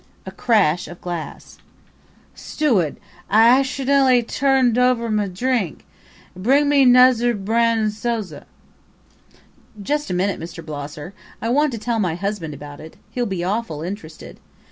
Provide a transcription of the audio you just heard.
A crash of glass. "Stew'd, I ashidently turn' over m' drink bring me nozher brand' 'n' sozza." ... "Just a minute, Mr. Blosser, I want to tell my husband about it he'll be awful interested.